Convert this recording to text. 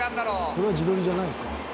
「これは自撮りじゃないのか」